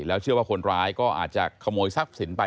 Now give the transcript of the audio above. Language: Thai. เชื่อว่าคนร้ายก็อาจจะขโมยทรัพย์สินไป